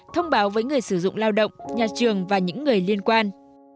thông báo với người sử dụng lao động nhà trường và những người liên quan